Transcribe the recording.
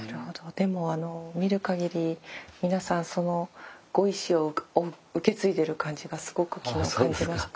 でも見るかぎり皆さんそのご意思を受け継いでる感じがすごく昨日感じました。